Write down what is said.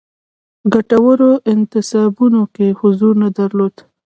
ګټورو انتصابونو کې حضور نه درلود.